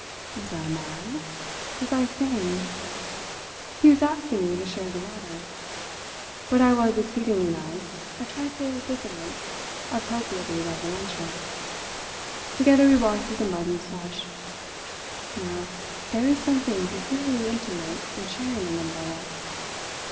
Was I mad? Was I sane? He was asking me to share the latter. But I was exceedingly nice, a trifle diffident, appropriately reverential. Together we walked through the mud and slush. Now, there is something peculiarly intimate in sharing an umbrella.